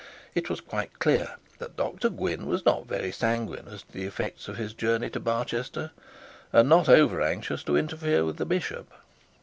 It was quite clear that Dr Gwynne was not very sanguine as to the effects of his journey to Barchester, and not over anxious to interfere with the bishop.